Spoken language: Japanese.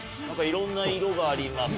いろんな色があります。